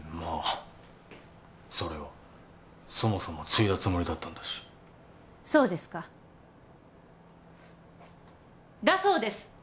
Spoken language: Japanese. あそれはそもそも継いだつもりだったんだしそうですかだそうです